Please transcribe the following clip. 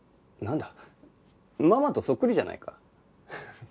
なんだママとそっくりじゃないか。